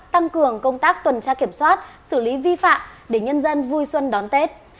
tăng cường công tác tuần tra kiểm soát xử lý vi phạm để nhân dân vui xuân đón tết